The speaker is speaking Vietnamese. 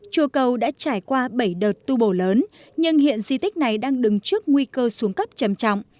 chùa cầu đã trải qua bảy đợt tu bổ lớn nhưng hiện di tích này đang đứng trước nguy cơ xuống cấp trầm trọng